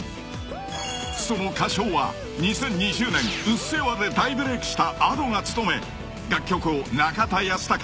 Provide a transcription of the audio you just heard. ［その歌唱は２０２０年『うっせぇわ』で大ブレイクしたＡｄｏが務め楽曲を中田ヤスタカ